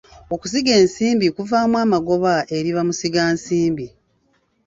Okusiga ensimbi kuvaamu amagoba eri bamusigansimbi.